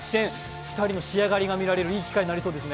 ２人の仕上がりが見られるいい機会になりそうですね。